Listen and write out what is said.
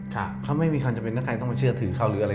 เขาไม่มีความจะเป็นใครต้องเชื่อถือเขา